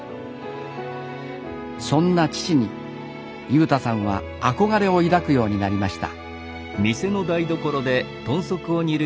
そんな父に優太さんは憧れを抱くようになりました。